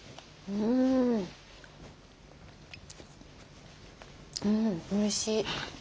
うんおいしい。